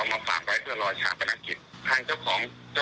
เป็นของโยมเนี่ยที่เขาเอามาปากไว้เพื่อรอชาติบนักกิจ